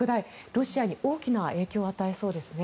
ロシアに大きな影響を与えそうですね。